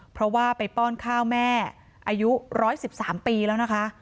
เพราะว่าไปป้อนข้าวแม่อายุ๑๑๓ปีแล้วนะคะ